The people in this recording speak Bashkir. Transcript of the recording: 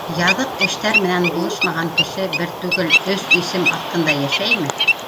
- Яҙыҡ эштәр менән булашмаған кеше бер түгел өс исем аҫтында йәшәйме?